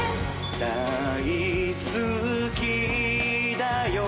「大好きだよ」